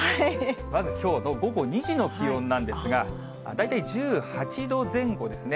まずきょうの午後２時の気温なんですが、大体１８度前後ですね。